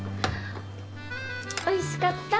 おいしかった！